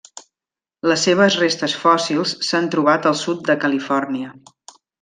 Les seves restes fòssils s'han trobat al sud de Califòrnia.